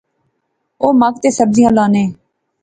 اوہ مک تے سبزیاں لانے